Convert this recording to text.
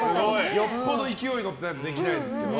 よっぽど勢いに乗ってないとできないですけど。